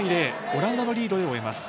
オランダのリードで終えます。